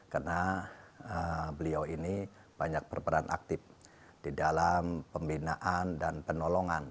karena beliau ini banyak berperan aktif di dalam pembinaan dan penolongan